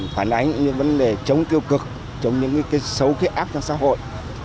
phản ánh những vấn đề chống tiêu cực chống những cái xấu cái ác trong xã hội